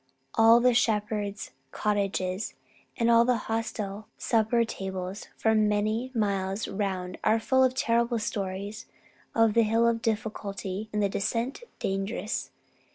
All the shepherds' cottages and all the hostel supper tables for many miles round are full of terrible stories of the Hill Difficulty and the Descent Dangerous.